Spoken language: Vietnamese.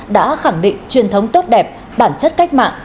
đã khẳng định truyền thống tốt đẹp bản chất cách mạng